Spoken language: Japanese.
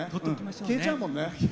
消えちゃうもんね。